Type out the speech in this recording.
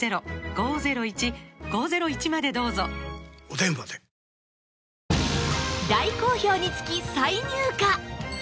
お電話で大好評につき再入荷！